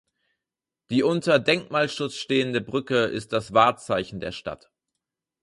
Die unter Denkmalschutz stehende Brücke ist das Wahrzeichen der Stadt.